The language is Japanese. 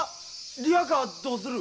リヤカーどうする？